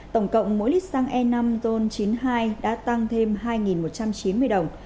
tổng cộng mỗi lít xăng e năm ron chín mươi hai đã tăng thêm hai một trăm chín mươi đồng